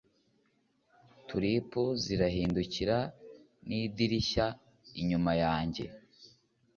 tulipu zirahindukira, nidirishya inyuma yanjye